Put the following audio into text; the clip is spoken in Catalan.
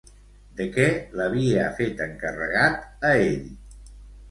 De què l'havia fet encarregat a ell?